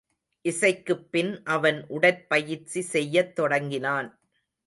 இசைக்குப் பின் அவன் உடற்பயிற்சி செய்யத் தொடங்கினான்.